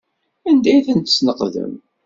Anda ay tent-tesneqdem?